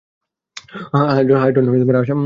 High, - Don, আসার জন্য ধন্যবাদ।